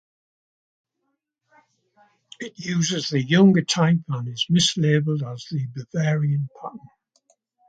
It uses the younger type and is mislabelled as the Bavarian pattern.